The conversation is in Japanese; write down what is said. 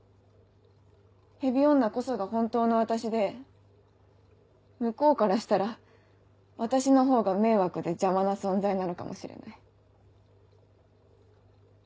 ヘビ女こそが本当の私で向こうからしたら私のほうが迷惑で邪魔な存在なのかもしれない。